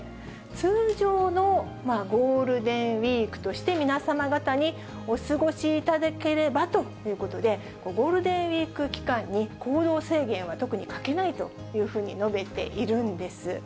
通常のゴールデンウィークとして皆様方にお過ごしいただければということで、ゴールデンウィーク期間に、行動制限は特にかけないというふうに述べているんです。